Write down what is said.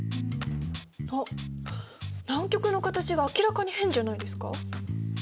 あっ南極の形が明らかに変じゃないですか？